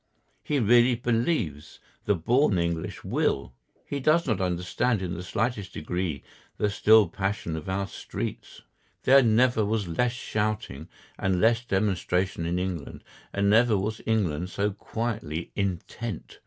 He really believes the born English will. He does not understand in the slightest degree the still passion of our streets. There never was less shouting and less demonstration in England, and never was England so quietly intent.